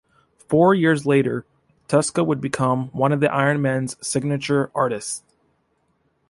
Four years later, Tuska would become one of Iron Man's signature artists.